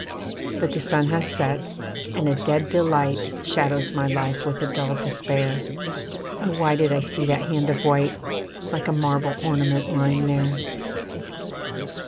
But the sun has set, and a dead delight Shadows my life with a dull despair, Oh why did I see that hand of white, Like a marble ornament lying there?